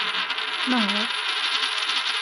Nehṛet!